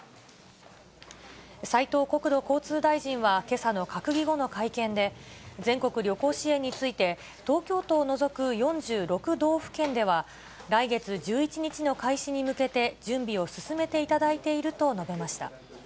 斉藤国土交通大臣はけさの閣議後の会見で、全国旅行支援について、東京都を除く４６道府県では、来月１１日の開始に向けて、準備を進めていただいていると述べました。